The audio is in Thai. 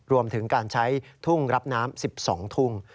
รวมถึงการใช้ทุ่งรับน้ำ๑๒ทุ่ง